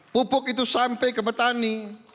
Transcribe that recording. pupuk itu sampai ke petani